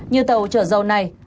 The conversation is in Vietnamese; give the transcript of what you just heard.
như tàu chở dầu này